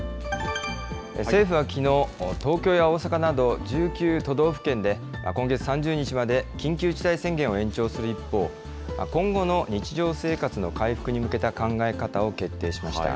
政府はきのう、東京や大阪など、１９都道府県で今月３０日まで緊急事態宣言を延長する一方、今後の日常生活の回復に向けた考え方を決定しました。